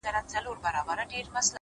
گلي نن بيا راته راياده سولې؛